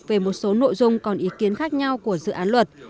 về một số nội dung còn ý kiến khác nhau của dự án luật